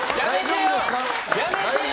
やめてよ！